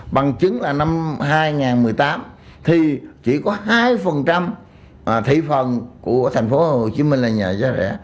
bằng chứng là năm hai nghìn một mươi tám thì chỉ có hai thị phần của thành phố hồ chí minh là nhờ giá rẻ